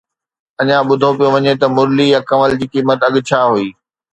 اڃا ٻڌو پيو وڃي ته مرلي يا ڪنول جي قيمت اڳ ڇا هئي.